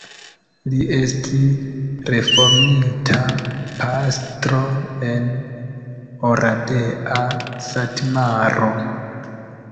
Li estis reformita pastro en Oradea, Satmaro.